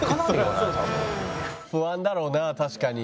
不安だろうな確かに。